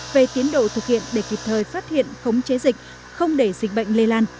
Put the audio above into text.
về tiến độ thực hiện để kịp thời phát hiện khống chế dịch không để dịch bệnh lây lan